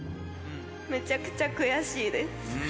めちゃくちゃ悔しいです。